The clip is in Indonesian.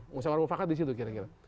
musawarah mufakat disitu kira kira